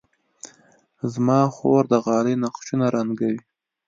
زما خور د غالۍ نقشونه رنګوي.